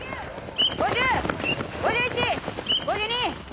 ５０５１５２５３！